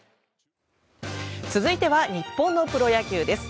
続いては日本のプロ野球です。